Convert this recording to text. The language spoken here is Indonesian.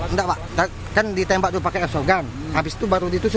enggak pak kan ditembak tuh pakai asogan habis itu baru ditusuk